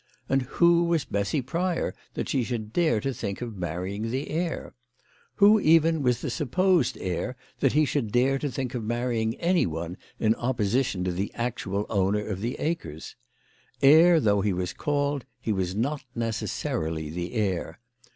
And who was Bessy Pryor that she should dare to think of marrying the heir ? Who, even, was the supposed heir that he should dare to think of marrying anyone in opposition to the actual owner of the acres ? Heir though he was called, he was not necessarily the heir.